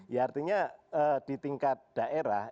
ya artinya di tingkat daerah